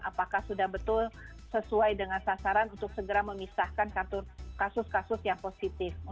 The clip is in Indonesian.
apakah sudah betul sesuai dengan sasaran untuk segera memisahkan kasus kasus yang positif